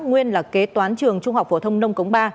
nguyên là kế toán trường trung học phổ thông nông cống ba